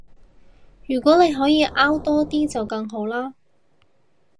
如果你可以搲多啲就更好啦